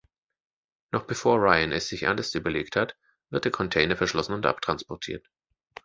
Noch bevor Ryan es sich anders überlegt hat, wird der Container verschlossen und abtransportiert.